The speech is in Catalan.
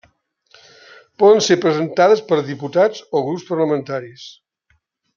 Poden ser presentades per diputats o grups parlamentaris.